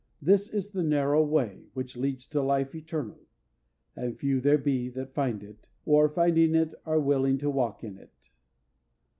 This is the narrow way which leads to life eternal, "and few there be that find it," or, finding it, are willing to walk in it.